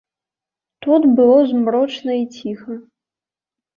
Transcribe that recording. Тут было змрочна і ціха.